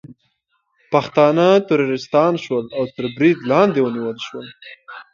پښتانه ترورستان شول او تر برید لاندې ونیول شول